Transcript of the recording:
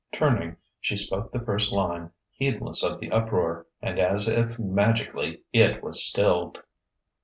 Turning, she spoke the first line, heedless of the uproar; and as if magically it was stilled.